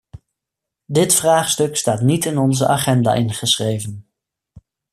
Dit vraagstuk staat niet in onze agenda ingeschreven.